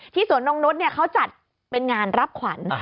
ที่สวนงค์นุฏเนี่ยเค้าจัดเป็นงานรับขวัญ